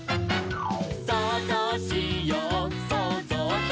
「そうぞうしようそうぞうと」